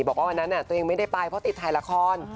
บอกว่าวันนั้นตัวเองไม่ได้ไปเพราะติดถ่ายละคร